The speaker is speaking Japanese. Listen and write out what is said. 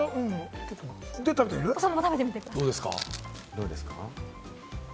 どうですか？